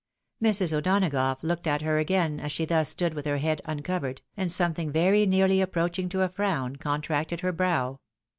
Mrs. O'Donagough looked at her again, as she thus stood with her head uncovered, and something very nearly approaching to a frown, contracted her brow.